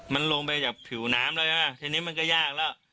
มันลงไปจากผิวน้ำเลยนะฮะทีนี้มันก็ยากแล้ว